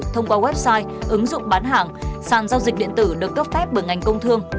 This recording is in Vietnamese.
thông qua website ứng dụng bán hàng sàn giao dịch điện tử được cấp phép bởi ngành công thương